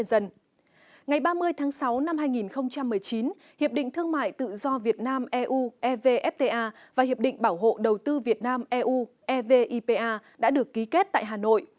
ngày ba mươi tháng sáu năm hai nghìn một mươi chín hiệp định thương mại tự do việt nam eu evfta và hiệp định bảo hộ đầu tư việt nam eu evipa đã được ký kết tại hà nội